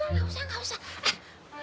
nggak usah nggak usah